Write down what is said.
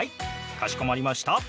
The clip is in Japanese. かしこまりました。